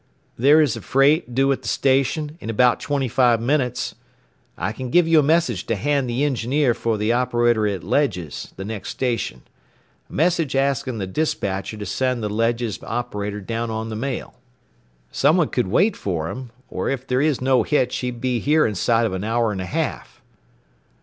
"There is a freight due at the station in about twenty five minutes. I can give you a message to hand the engineer for the operator at Ledges, the next station a message asking the despatcher to send the Ledges operator down on the Mail. Someone could wait for him, and if there is no hitch he'd be here inside of an hour and a half."